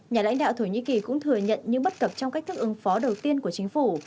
nhà lãnh đạo thổ nhĩ kỳ cũng thừa nhận những bất cập trong cách thức ứng phó đầu tiên của chính phủ